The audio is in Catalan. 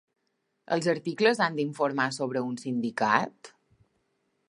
Els articles han d'informar sobre un sindicat?